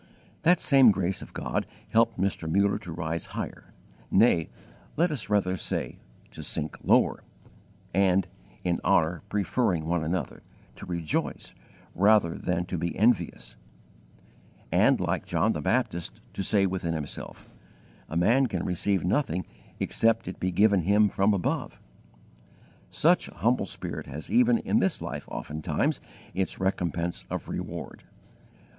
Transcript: That same grace of God helped Mr. Muller to rise higher nay, let us rather say, to sink lower and, "in honor preferring one another," to rejoice rather than to be envious; and, like John the Baptist, to say within himself: "A man can receive nothing except it be given him from above." Such a humble spirit has even in this life oftentimes its recompense of reward.